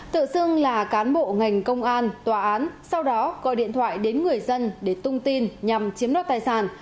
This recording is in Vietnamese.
tự xưng là cán bộ ngành công an tòa án sau đó gọi điện thoại đến người dân để tung tin nhằm chiếm đoạt tài sản